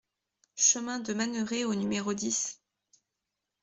Chemin de Manneret au numéro dix